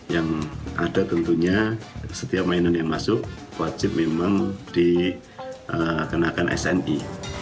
yang ada tentunya setiap mainan yang masuk wajib memang dikenakan sni